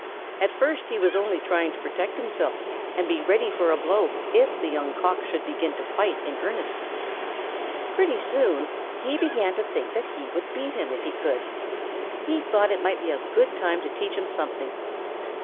At first he was only trying to protect himself and be ready for a blow if the Young Cock should begin to fight in earnest. Pretty soon he began to think that he would beat him if he could. He thought it might be a good time to teach him something.